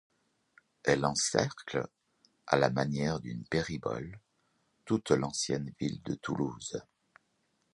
Elle encercle, à la manière d'une péribole, toute l'ancienne ville de Toulouse.